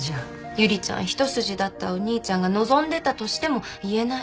ゆりちゃん一筋だったお兄ちゃんが望んでたとしても言えない。